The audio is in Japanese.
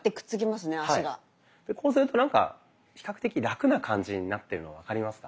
こうするとなんか比較的ラクな感じになってるの分かりますか？